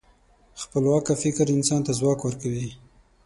خپلواکه فکر انسان ته ځواک ورکوي.